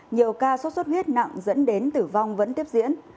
nhiều ca sốt xuất huyết nặng dẫn đến tử vong vẫn tiếp diễn